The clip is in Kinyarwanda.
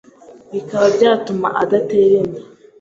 bikaba byatuma adatera inda